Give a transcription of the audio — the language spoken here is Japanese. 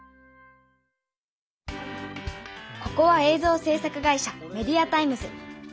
ここは映像せい作会社メディアタイムズ。